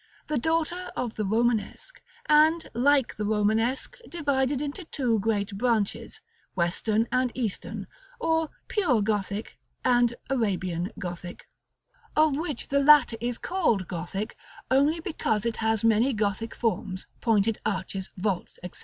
The daughter of the Romanesque; and, like the Romanesque, divided into two great branches, Western and Eastern, or pure Gothic and Arabian Gothic; of which the latter is called Gothic, only because it has many Gothic forms, pointed arches, vaults, &c.